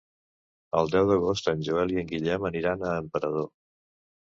El deu d'agost en Joel i en Guillem aniran a Emperador.